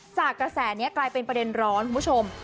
กระแสนี้กลายเป็นประเด็นร้อนคุณผู้ชม